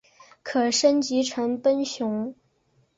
可升级成奔熊。